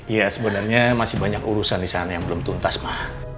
ya sebenarnya masih banyak urusan di sana yang belum tuntas mah